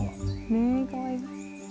ねえかわいい。